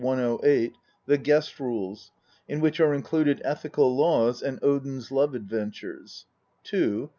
1 108), the Guest rules, in which are included ethical laws and Odin's love adventures; 2 (st.